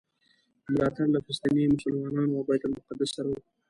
ملاتړ له فلسطیني مسلمانانو او بیت المقدس سره و.